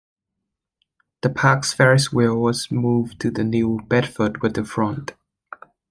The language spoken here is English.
The park's Ferris wheel was moved to the New Bedford waterfront.